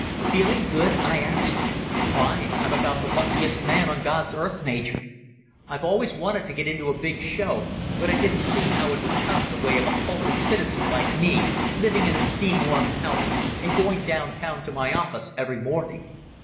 "Feeling good?" I asked. "Fine. I'm about the luckiest man on God's earth, Major. I've always wanted to get into a big show, but I didn't see how it would come the way of a homely citizen like me, living in a steam warmed house and going down town to my office every morning.